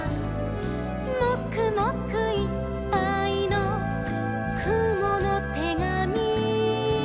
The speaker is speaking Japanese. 「もくもくいっぱいのくものてがみ」